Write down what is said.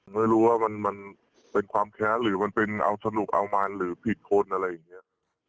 ไม่รู้ว่ามันเป็นความแค้นหรือมันเป็นเอาสนุกเอามันหรือผิดคนอะไรอย่างนี้